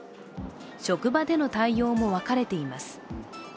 職場での対応も分かれています。